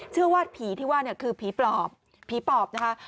เชื่อว่าผีที่ว่าคือผีปลอบผีปลอบนะคะ